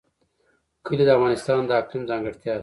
کلي د افغانستان د اقلیم ځانګړتیا ده.